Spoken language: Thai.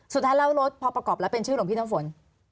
สุดท้ายแล้วรถพอประกอบแล้วเป็นชื่อหลวงพี่น้ำฝน